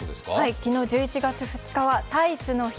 昨日１１月３日はタイツの日。